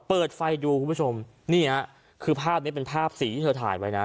เปิดไฟดูคุณผู้ชมนี่ฮะคือภาพนี้เป็นภาพสีที่เธอถ่ายไว้นะ